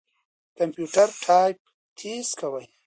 کمپيوټر ټايپ تېز کوي.